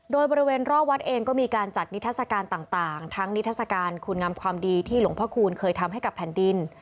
โดยบริเวณรอบวัดเองก็มีการจัดนิทัศกาลต่างทั้งนิทัศกาลคุณงามความดีที่หลวงพระคูณเคยทำให้กับแผ่นดิน